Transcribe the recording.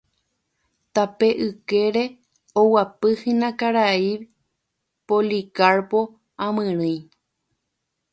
Tape yképe oguapyhína karai Policarpo amyrỹi.